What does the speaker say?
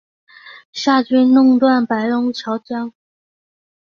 夏军弄断白龙江桥。